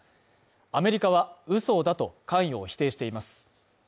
アメリカは嘘だと関与を否定しています。